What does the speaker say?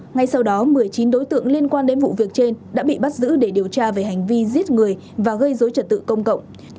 ngay sau đó một mươi chín đối tượng liên quan đến vụ việc trên đã bị bắt giữ để điều tra về hành vi giết người và gây dối trật tự công cộng